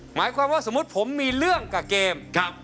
หมายความว่าสมมุติผมมีเรื่องกับเกม